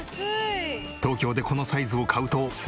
東京でこのサイズを買うと倍以上。